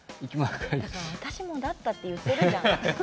私もなったと言ってるじゃん。